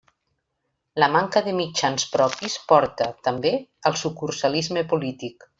La manca de mitjans propis porta, també, al sucursalisme polític.